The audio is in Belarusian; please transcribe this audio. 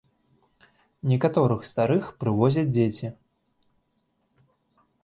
Некаторых старых прывозяць дзеці.